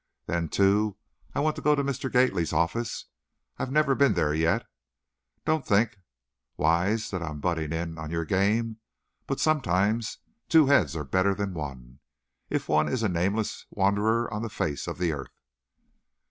Then, too, I want to go to Mr. Gately's office. I've never been there yet! Don't think, Wise, that I'm butting in on your game, but sometimes two heads are better than one, if one is a nameless wanderer on the face of the earth."